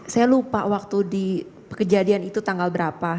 saya lupa waktu di kejadian itu tanggal berapa